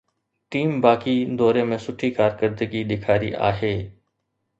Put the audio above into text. Team باقي دوري ۾ سٺي ڪارڪردگي ڏيکاري آهي.